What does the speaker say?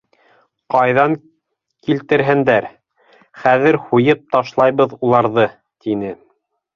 Ҡайҙа, килтерһендәр, хәҙер һуйып ташлайбыҙ уларҙы, — тине.